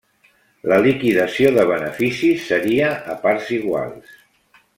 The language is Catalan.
La liquidació de beneficis seria a parts iguals.